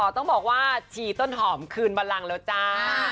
ต้องบอกว่าชีต้นหอมคืนบันลังแล้วจ้า